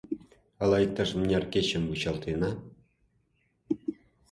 — Ала иктаж-мыняр кечым вучалтена?